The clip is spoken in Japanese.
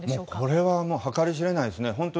これは計り知れないですね。